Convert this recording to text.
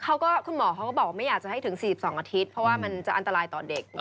คุณหมอเขาก็บอกว่าไม่อยากจะให้ถึง๔๒อาทิตย์เพราะว่ามันจะอันตรายต่อเด็ก